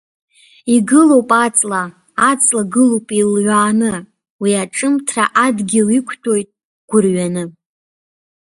Игылоуп аҵла, аҵла гылоуп еилҩааны, уи аҿымҭра адгьыл иқәҭәоит гәырҩаны.